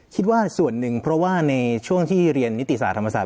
คิดว่าส่วนหนึ่งเพราะว่าในช่วงที่เรียนนิติศาสตธรรมศาส